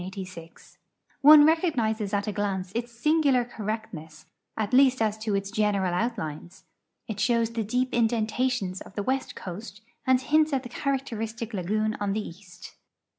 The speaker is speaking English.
One recognizes at a glance its singular correct ness, at least as to its general outlines. It shows the dee]) in dentations of the west coast and hints at the characteristic lagoon on the east.